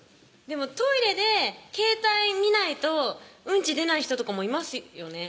でもトイレで携帯見ないとうんち出ない人とかもいますよね